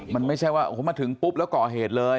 มันไม่ใช่ว่าโอ้โหมาถึงปุ๊บแล้วก่อเหตุเลย